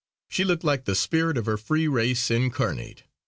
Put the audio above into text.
She looked like the spirit of her free race, incarnate.